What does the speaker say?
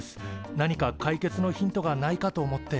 なにか解決のヒントがないかと思って。